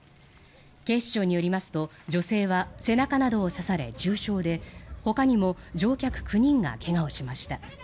警視庁によりますと女性は背中などを刺され重傷でほかにも乗客９人が怪我をしました。